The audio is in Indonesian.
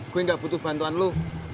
gue gak butuh bantuan lo